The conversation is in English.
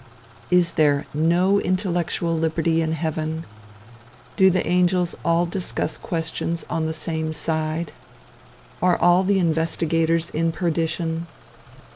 Is there no intellectual liberty in heaven? Do the angels all discuss questions on the same side? Are all the investigators in perdition?